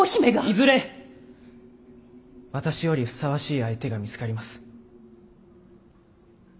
いずれ私よりふさわしい相手が見つかります。